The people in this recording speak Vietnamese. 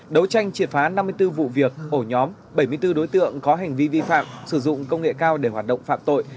đấu tranh triệt phá năm mươi bốn vụ việc ổ nhóm bảy mươi bốn đối tượng có hành vi vi phạm sử dụng công nghệ cao để hoạt động phạm tội